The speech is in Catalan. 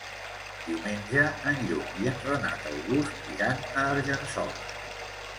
Diumenge en Lluc i en Renat August iran a Argençola.